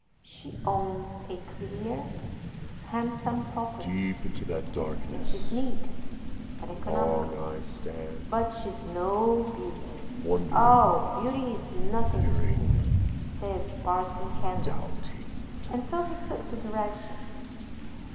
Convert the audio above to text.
She owns a clear, handsome property, and she's neat and economical; but she's no beauty!' 'Oh, beauty is nothin' to me,' says Parson Kendall; and so he took the direction.